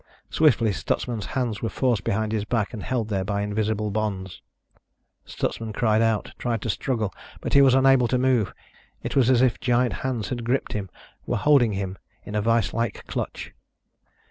Swiftly Stutsman's hands were forced behind his back and held there by invisible bonds. Stutsman cried out, tried to struggle, but he was unable to move. It was as if giant hands had gripped him, were holding him in a viselike clutch.